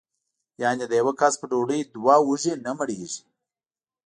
یعنې د یوه کس په ډوډۍ دوه وږي نه مړېږي.